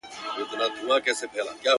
خپل عمل ورسره وړي خپل کردګار ته-